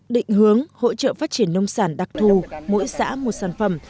định hướng hỗ trợ phát triển nông sản đặc thù mối xã mù sản phẩm